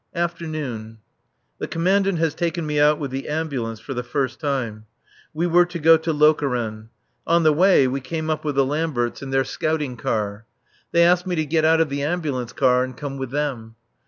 [Afternoon.] The Commandant has taken me out with the Ambulance for the first time. We were to go to Lokeren. On the way we came up with the Lamberts in their scouting car. They asked me to get out of the Ambulance car and come with them.